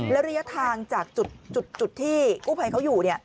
ระยะทางจากจุดที่กู้ภัยเขาอยู่